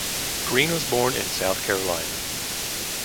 Green was born in South Carolina.